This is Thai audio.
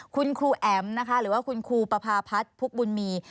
คุณครูแอ๋มนะคะหรือว่าคุณครูปพาพัฒน์ภุกบุญมี